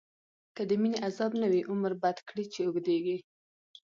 که دمينی عذاب نه وی، عمر بد کړی چی اوږديږی